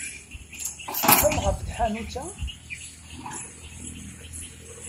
Tecfam ɣef tḥanut-a?